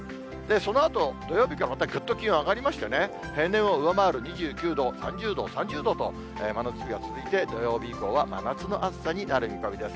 そのあと、土曜日からまたぐっと気温上がりましてね、平年を上回る２９度、３０度、３０度と、真夏日が続いて、土曜日以降は真夏の暑さになる見込みです。